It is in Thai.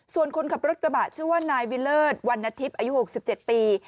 ส่วนคนขับรถกระบะชื่อว่านายวิเลิศวันนทิพย์อายุ๖๗ปี